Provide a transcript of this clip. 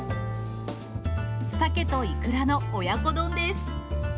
サケとイクラの親子丼です。